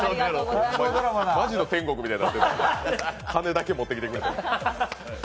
マジの天国みたいになって、羽だけ持ってきてくれて。